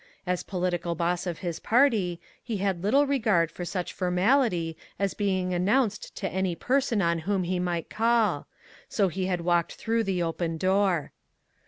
As political boss of his party, he had little regard for such a formality as being announced to any person on whom he might call so he had walked through the open door.